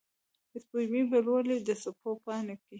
سپوږمۍ به لولي د څپو پاڼو کې